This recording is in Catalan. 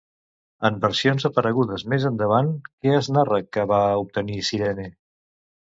En versions aparegudes més endavant què es narra que va obtenir Cirene?